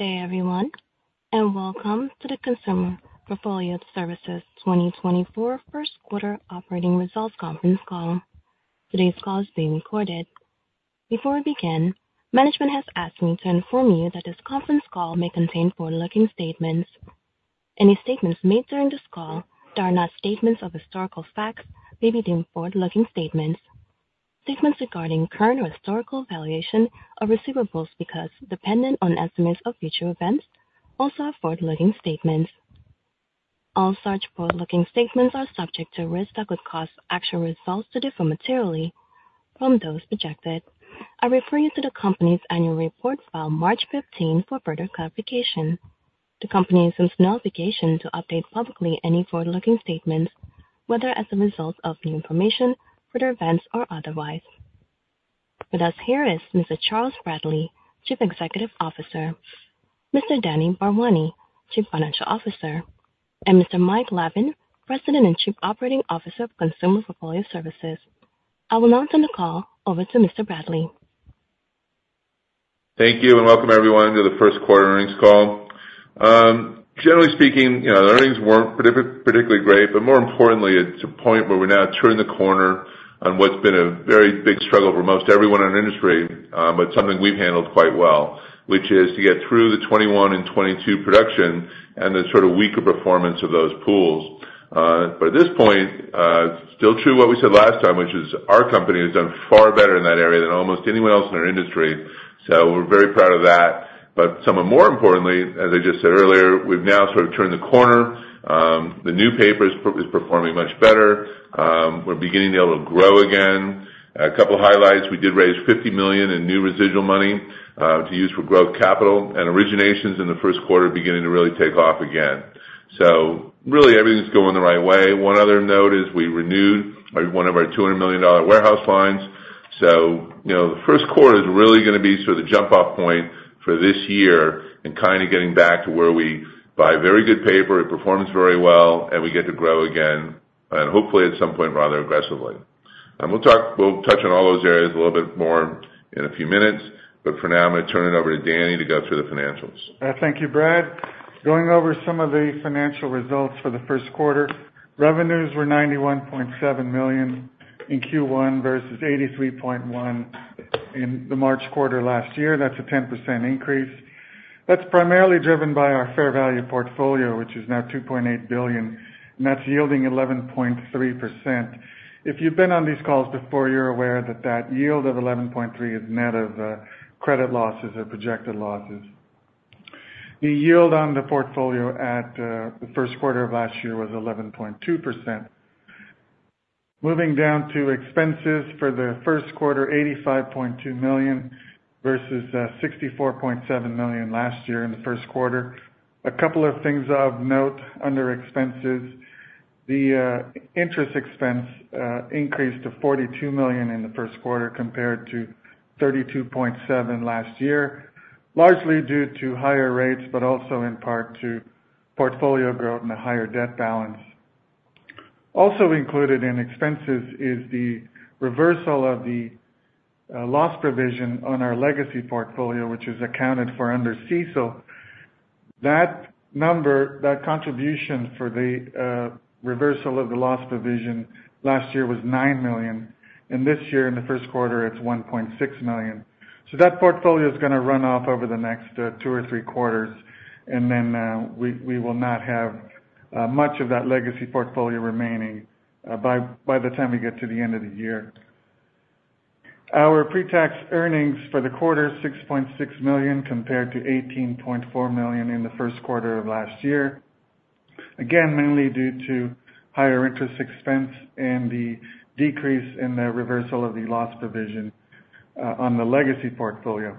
day everyone, and welcome to the Consumer Portfolio Services 2024 First Quarter Operating Results Conference call. Today's call is being recorded. Before we begin, management has asked me to inform you that this conference call may contain forward-looking statements. Any statements made during this call that are not statements of historical facts may be deemed forward-looking statements. Statements regarding current or historical valuation of receivables, being dependent on estimates of future events, also are forward-looking statements. All such forward-looking statements are subject to risks that could cause actual results to differ materially from those projected. I refer you to the company's annual report filed March 15 for further clarification. The company is under no obligation to update publicly any forward-looking statements, whether as a result of new information, further events, or otherwise. With us here is Mr. Charles Bradley, Chief Executive Officer, Mr. Danny Bharwani, Chief Financial Officer, and Mr. Mike Lavin, President and Chief Operating Officer of Consumer Portfolio Services. I will now turn the call over to Mr. Bradley. Thank you and welcome everyone to the First Quarter Earnings call. Generally speaking, the earnings weren't particularly great, but more importantly, it's a point where we're now turning the corner on what's been a very big struggle for most everyone in the industry, but something we've handled quite well, which is to get through the 2021 and 2022 production and the sort of weaker performance of those pools. But at this point, it's still true what we said last time, which is our company has done far better in that area than almost anyone else in our industry. So we're very proud of that. But somewhat more importantly, as I just said earlier, we've now sort of turned the corner. The new paper is performing much better. We're beginning to be able to grow again. A couple of highlights: we did raise $50 million in new residual money to use for growth capital, and originations in the first quarter are beginning to really take off again. So really, everything's going the right way. One other note is we renewed one of our $200 million warehouse lines. So the first quarter is really going to be sort of the jump-off point for this year in kind of getting back to where we buy very good paper, it performs very well, and we get to grow again, and hopefully at some point rather aggressively. And we'll touch on all those areas a little bit more in a few minutes, but for now, I'm going to turn it over to Danny to go through the financials. Thank you, Brad. Going over some of the financial results for the first quarter. Revenues were $91.7 million in Q1 versus $83.1 million in the March quarter last year. That's a 10% increase. That's primarily driven by our fair value portfolio, which is now $2.8 billion, and that's yielding 11.3%. If you've been on these calls before, you're aware that that yield of 11.3% is net of credit losses or projected losses. The yield on the portfolio at the first quarter of last year was 11.2%. Moving down to expenses for the first quarter, $85.2 million versus $64.7 million last year in the first quarter. A couple of things of note under expenses. The interest expense increased to $42 million in the first quarter compared to $32.7 million last year, largely due to higher rates but also in part to portfolio growth and a higher debt balance. Also included in expenses is the reversal of the loss provision on our legacy portfolio, which is accounted for under CECL. That contribution for the reversal of the loss provision last year was $9 million. This year, in the first quarter, it's $1.6 million. That portfolio is going to run off over the next two or three quarters, and then we will not have much of that legacy portfolio remaining by the time we get to the end of the year. Our pre-tax earnings for the quarter, $6.6 million compared to $18.4 million in the first quarter of last year, again, mainly due to higher interest expense and the decrease in the reversal of the loss provision on the legacy portfolio.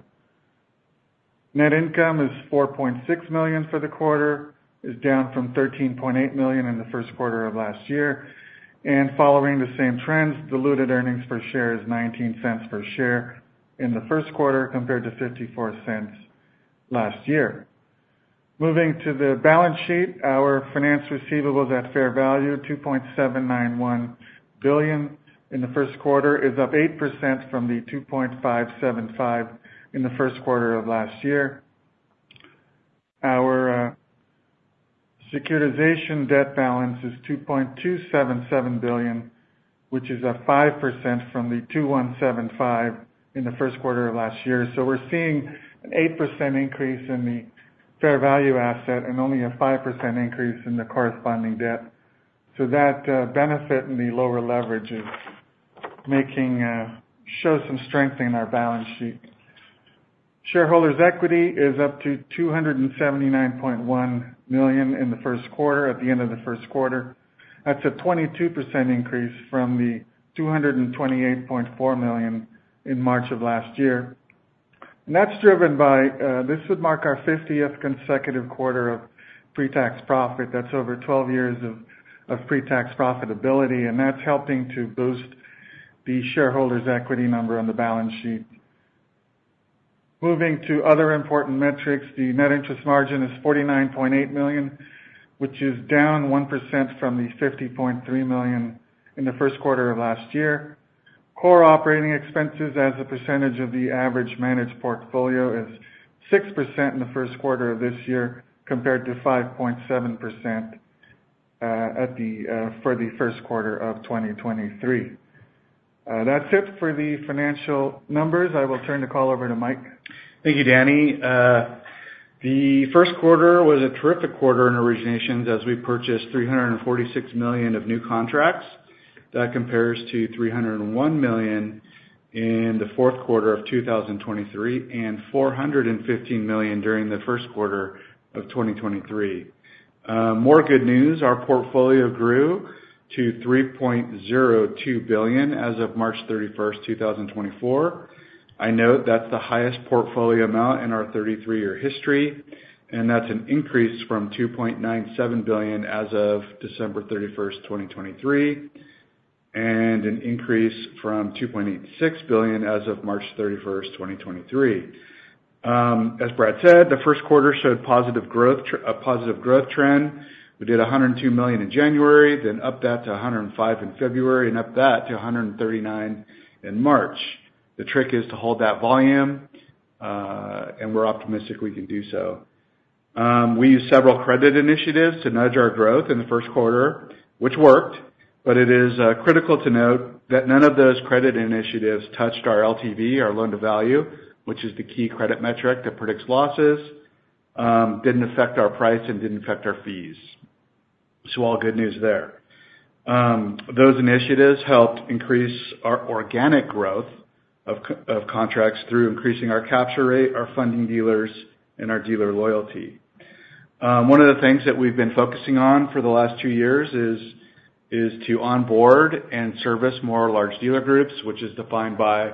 Net income is $4.6 million for the quarter, is down from $13.8 million in the first quarter of last year. Following the same trends, diluted earnings per share is $0.19 per share in the first quarter compared to $0.54 per share last year. Moving to the balance sheet, our finance receivables at fair value, $2.791 billion in the first quarter, is up 8% from the $2.575 billion in the first quarter of last year. Our securitization debt balance is $2.277 billion, which is up 5% from the $2.175 billion in the first quarter of last year. We're seeing an 8% increase in the fair value asset and only a 5% increase in the corresponding debt. That benefit and the lower leverage show some strength in our balance sheet. Shareholders' equity is up to $279.1 million in the first quarter. At the end of the first quarter, that's a 22% increase from the $228.4 million in March of last year. That's driven by this would mark our 50th consecutive quarter of pre-tax profit. That's over 12 years of pre-tax profitability, and that's helping to boost the shareholders' equity number on the balance sheet. Moving to other important metrics, the net interest margin is $49.8 million, which is down 1% from the $50.3 million in the first quarter of last year. Core operating expenses, as a percentage of the average managed portfolio, is 6% in the first quarter of this year compared to 5.7% for the first quarter of 2023. That's it for the financial numbers. I will turn the call over to Mike. Thank you, Danny. The first quarter was a terrific quarter in originations as we purchased $346 million of new contracts. That compares to $301 million in the fourth quarter of 2023 and $415 million during the first quarter of 2023. More good news: our portfolio grew to $3.02 billion as of March 31st, 2024. I note that's the highest portfolio amount in our 33-year history, and that's an increase from $2.97 billion as of December 31st, 2023, and an increase from $2.86 billion as of March 31st, 2023. As Brad said, the first quarter showed a positive growth trend. We did $102 million in January, then up that to $105 million in February, and up that to $139 million in March. The trick is to hold that volume, and we're optimistic we can do so. We used several credit initiatives to nudge our growth in the first quarter, which worked, but it is critical to note that none of those credit initiatives touched our LTV, our loan to value, which is the key credit metric that predicts losses, didn't affect our price, and didn't affect our fees. So all good news there. Those initiatives helped increase our organic growth of contracts through increasing our capture rate, our funding dealers, and our dealer loyalty. One of the things that we've been focusing on for the last two years is to onboard and service more large dealer groups, which is defined by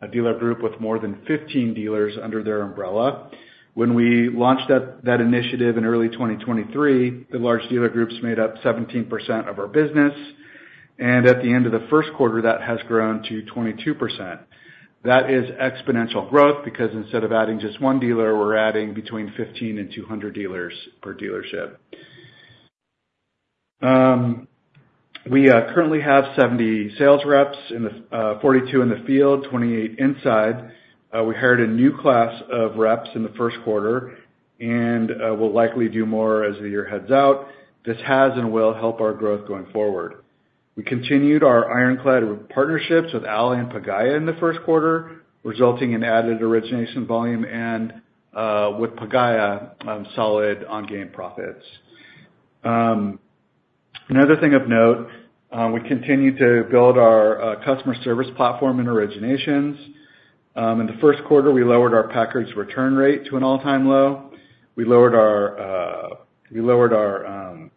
a dealer group with more than 15 dealers under their umbrella. When we launched that initiative in early 2023, the large dealer groups made up 17% of our business, and at the end of the first quarter, that has grown to 22%. That is exponential growth because instead of adding just one dealer, we're adding between 15 and 200 dealers per dealership. We currently have 70 sales reps, 42 in the field, 28 inside. We hired a new class of reps in the first quarter and will likely do more as the year heads out. This has and will help our growth going forward. We continued our ironclad partnerships with Ally and Pagaya in the first quarter, resulting in added origination volume and, with Pagaya, solid ongoing profits. Another thing of note: we continue to build our customer service platform in originations. In the first quarter, we lowered our package return rate to an all-time low. We lowered our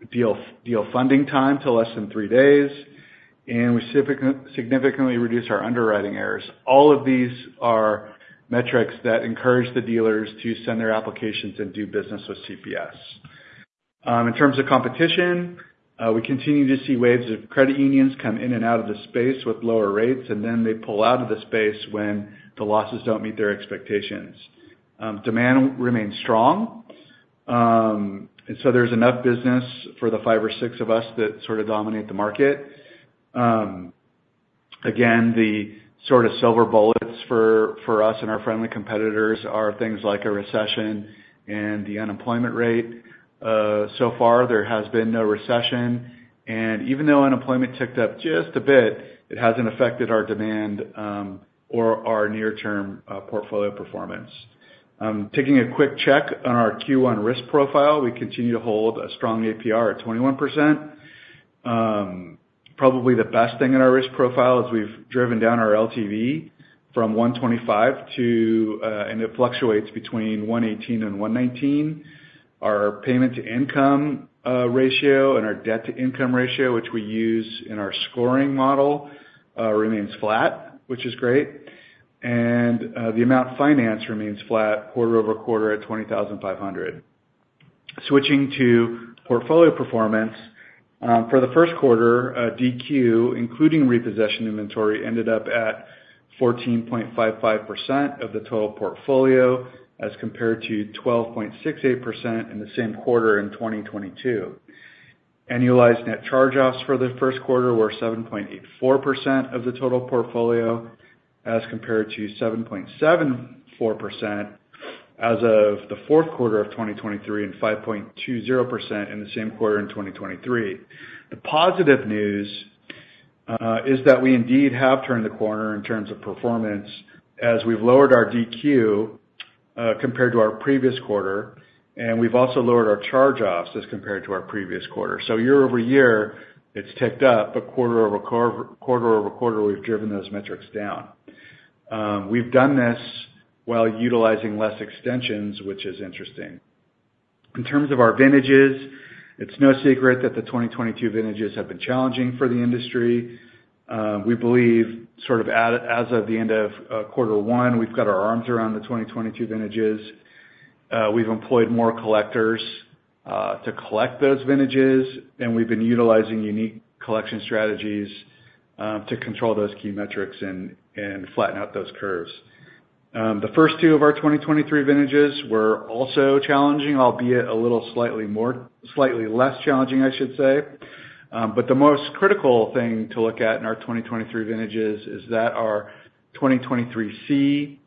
deal funding time to less than 3 days, and we significantly reduced our underwriting errors. All of these are metrics that encourage the dealers to send their applications and do business with CPS. In terms of competition, we continue to see waves of credit unions come in and out of the space with lower rates, and then they pull out of the space when the losses don't meet their expectations. Demand remains strong, and so there's enough business for the five or six of us that sort of dominate the market. Again, the sort of silver bullets for us and our friendly competitors are things like a recession and the unemployment rate. So far, there has been no recession, and even though unemployment ticked up just a bit, it hasn't affected our demand or our near-term portfolio performance. Taking a quick check on our Q1 risk profile, we continue to hold a strong APR at 21%. Probably the best thing in our risk profile is we've driven down our LTV from 125 to and it fluctuates between 118-119. Our payment-to-income ratio and our debt-to-income ratio, which we use in our scoring model, remains flat, which is great, and the amount financed remains flat quarter-over-quarter at $20,500. Switching to portfolio performance, for the first quarter, DQ, including repossession inventory, ended up at 14.55% of the total portfolio as compared to 12.68% in the same quarter in 2022. Annualized net charge-offs for the first quarter were 7.84% of the total portfolio as compared to 7.74% as of the fourth quarter of 2023 and 5.20% in the same quarter in 2023. The positive news is that we indeed have turned the corner in terms of performance as we've lowered our DQ compared to our previous quarter, and we've also lowered our charge-offs as compared to our previous quarter. So year-over-year, it's ticked up, but quarter-over-quarter, we've driven those metrics down. We've done this while utilizing less extensions, which is interesting. In terms of our vintages, it's no secret that the 2022 vintages have been challenging for the industry. We believe, sort of as of the end of quarter one, we've got our arms around the 2022 vintages. We've employed more collectors to collect those vintages, and we've been utilizing unique collection strategies to control those key metrics and flatten out those curves. The first two of our 2023 vintages were also challenging, albeit a little slightly less challenging, I should say. But the most critical thing to look at in our 2023 vintages is that our 2023C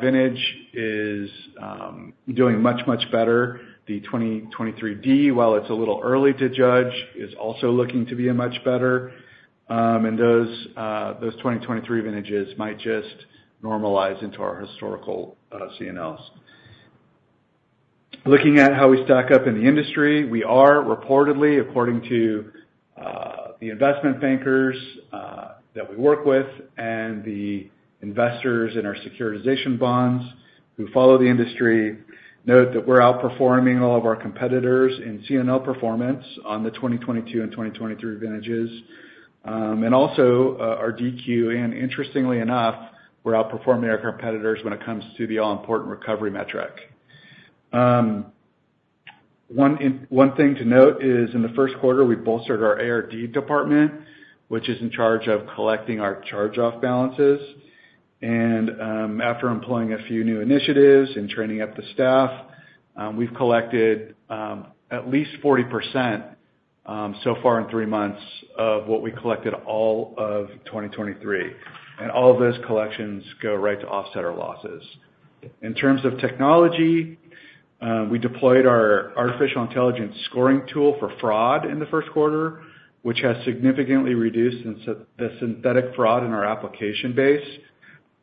vintage is doing much, much better. The 2023D, while it's a little early to judge, is also looking to be a much better, and those 2023 vintages might just normalize into our historical CNLs. Looking at how we stack up in the industry, we are, reportedly, according to the investment bankers that we work with and the investors in our securitization bonds who follow the industry, note that we're outperforming all of our competitors in CNL performance on the 2022 and 2023 vintages. Also, our DQ, and interestingly enough, we're outperforming our competitors when it comes to the all-important recovery metric. One thing to note is, in the first quarter, we bolstered our ARD department, which is in charge of collecting our charge-off balances. After employing a few new initiatives and training up the staff, we've collected at least 40% so far in three months of what we collected all of 2023, and all of those collections go right to offset our losses. In terms of technology, we deployed our artificial intelligence scoring tool for fraud in the first quarter, which has significantly reduced the synthetic fraud in our application base.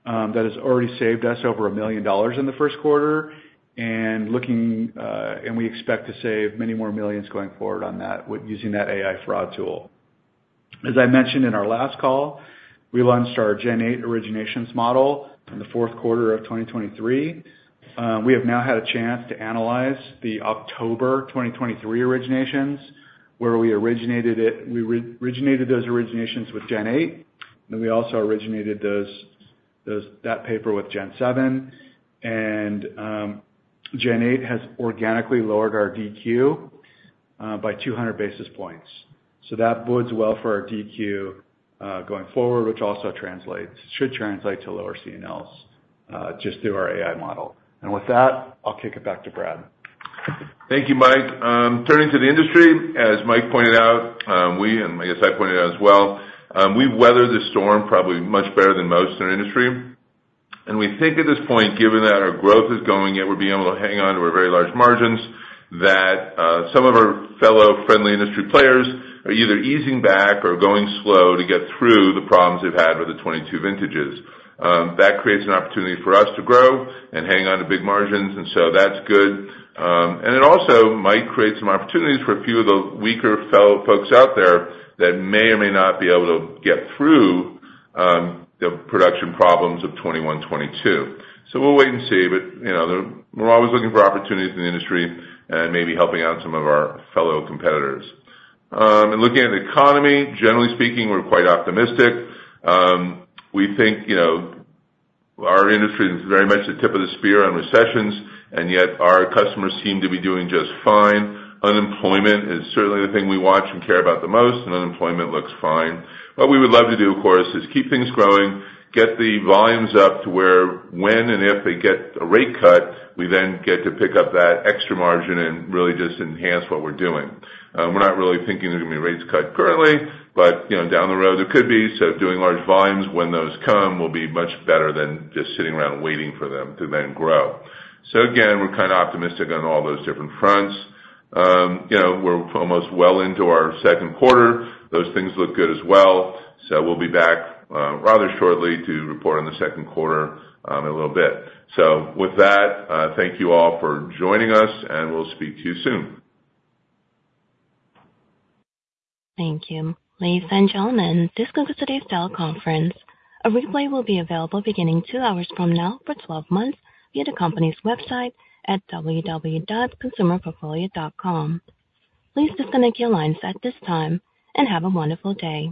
That has already saved us over $1 million in the first quarter, and we expect to save many more $ millions going forward on that using that AI fraud tool. As I mentioned in our last call, we launched our Gen 8 originations model in the fourth quarter of 2023. We have now had a chance to analyze the October 2023 originations, where we originated those originations with Gen 8, and then we also originated that paper with Gen 7. Gen 8 has organically lowered our DQ by 200 basis points. That bodes well for our DQ going forward, which also should translate to lower CNLs just through our AI model. And with that, I'll kick it back to Brad. Thank you, Mike. Turning to the industry, as Mike pointed out, we and I guess I pointed out as well, we've weathered the storm probably much better than most in our industry. We think, at this point, given that our growth is going yet we'll be able to hang on to our very large margins, that some of our fellow friendly industry players are either easing back or going slow to get through the problems they've had with the 2022 Vintages. That creates an opportunity for us to grow and hang on to big margins, and so that's good. It also might create some opportunities for a few of the weaker fellow folks out there that may or may not be able to get through the production problems of 2021, 2022. We'll wait and see, but we're always looking for opportunities in the industry and maybe helping out some of our fellow competitors. Looking at the economy, generally speaking, we're quite optimistic. We think our industry is very much the tip of the spear on recessions, and yet our customers seem to be doing just fine. Unemployment is certainly the thing we watch and care about the most, and unemployment looks fine. What we would love to do, of course, is keep things growing, get the volumes up to where, when and if they get a rate cut, we then get to pick up that extra margin and really just enhance what we're doing. We're not really thinking there's going to be a rate cut currently, but down the road, there could be. So doing large volumes when those come will be much better than just sitting around waiting for them to then grow. So again, we're kind of optimistic on all those different fronts. We're almost well into our second quarter. Those things look good as well. So we'll be back rather shortly to report on the second quarter in a little bit. So with that, thank you all for joining us, and we'll speak to you soon. Thank you. Ladies and gentlemen, this concludes today's teleconference. A replay will be available beginning 2 hours from now for 12 months via the company's website at www.consumerportfolio.com. Please disconnect your lines at this time and have a wonderful day.